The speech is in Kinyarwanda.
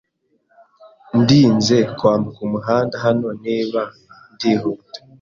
Ndinze kwambuka umuhanda hano niba ndihuta.